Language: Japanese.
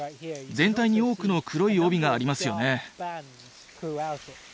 全体に多くの黒い帯がありますよね。